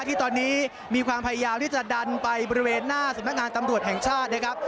ที่ตอนนี้มีความพยายามที่จะดันไปบริเวณหน้าสำนักงานตำรวจแห่งชาตินะครับ